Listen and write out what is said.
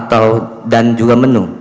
atau dan juga menu